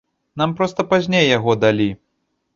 Нам проста пазней яго далі.